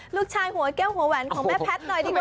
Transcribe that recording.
ลูกชายหัวแก้วหัวแหวนของแม่แพทน้อยดีกว่า